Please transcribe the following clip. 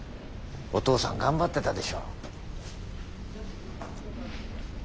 お父さん頑張ってたでしょう？